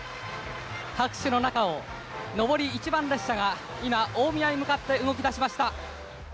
拍手の中を上り１番列車が大宮に向かって動き出しました。